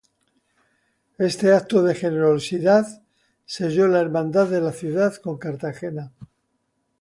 Este acto de generosidad selló la hermandad de la ciudad con Cartagena.